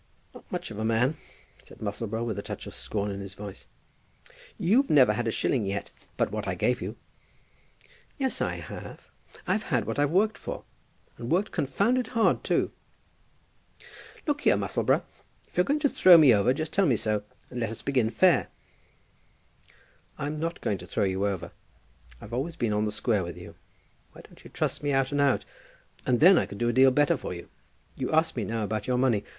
"Not much of a man," said Musselboro, with a touch of scorn in his voice. "You've never had a shilling yet but what I gave you." "Yes; I have. I've had what I've worked for, and worked confounded hard too." "Look here, Musselboro; if you're going to throw me over, just tell me so, and let us begin fair." "I'm not going to throw you over. I've always been on the square with you. Why don't you trust me out and out, and then I could do a deal better for you. You ask me now about your money.